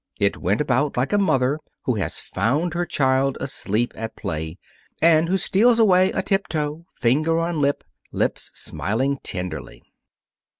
It went about like a mother who has found her child asleep at play, and who steals away atiptoe, finger on lip, lips smiling tenderly.